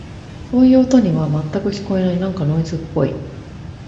そういう音には、全く聞こえない。なんかノイズっぽい。